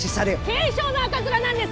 軽症の赤面なんです！